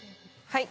はい。